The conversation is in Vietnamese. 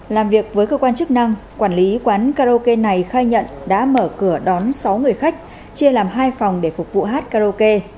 làm việc với cơ quan chức năng quản lý quán karaoke này khai nhận đã mở cửa đón sáu người khách chia làm hai phòng để phục vụ hát karaoke